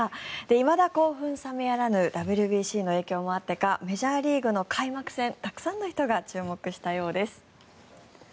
いまだ興奮冷めやらぬＷＢＣの影響もあってかメジャーリーグの開幕戦たくさんの人が注目したようです。